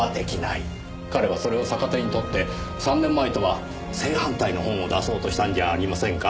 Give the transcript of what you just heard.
彼はそれを逆手にとって３年前とは正反対の本を出そうとしたんじゃありませんか？